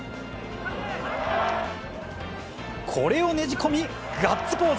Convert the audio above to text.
これをねじ込み、ガッツポーズ。